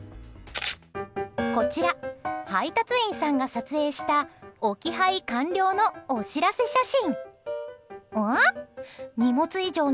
こちら、配達員さんが撮影した置き配完了のお知らせ写真。